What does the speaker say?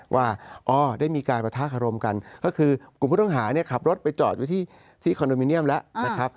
ว่าอ๋อได้มีการประทะคารมกันก็คือกลุ่มผู้ต้องหาเนี่ยขับรถไปจอดอยู่ที่คอนโดมิเนียมแล้วนะครับ